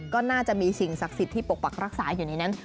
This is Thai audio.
ก็น่าจะมีสิ่งศักดิ์สิทธิ์ที่ปกปักรักษาอยู่ในนั้น